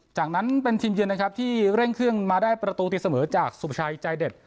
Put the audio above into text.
จากนั้นเป็นทีมเยือนนะครับที่เร่งเครื่องมาได้ประตูตีเสมอจากสุภาชัยใจเด็ด